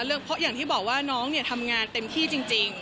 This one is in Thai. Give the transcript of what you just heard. เพราะอย่างที่บอกว่าน้องเนี่ยทำงานเต็มที่จริง